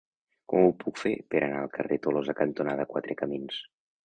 Com ho puc fer per anar al carrer Tolosa cantonada Quatre Camins?